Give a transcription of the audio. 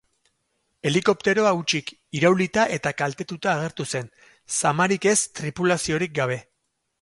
Helikopteroa hutsik, iraulita eta kaltetuta agertu zen, zamarik ez tripulaziorik gabe.